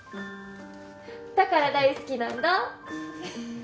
だから大好きなんだ。